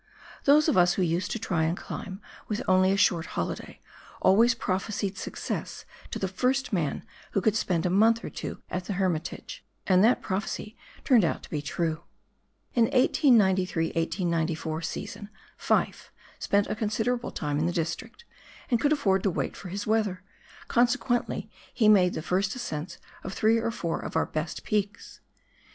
Those of us who used to try and climb with only a short holiday, always prophesied success to the first man who could spend a month or two at the Hermitage, and that prophecy turned out to be true. In 1893 1894 season Fyfe spent a considerable time in the district, and could afford to wait for his weather, consequently he made the first ascents of three or four of our best peaks.